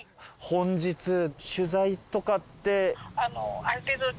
本日取材とかって。